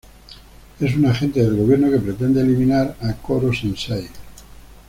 Es un agente del gobierno que pretende eliminar a Koro-sensei.